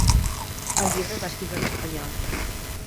El llibre es va escriure en espanyol.